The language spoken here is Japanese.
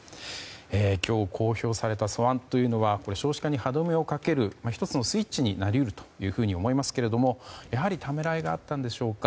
今日、公表された素案というのは少子化に歯止めをかける１つのスイッチになり得ると思いますけれどもためらいがあったんでしょうか。